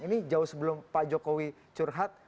ini jauh sebelum pak jokowi curhat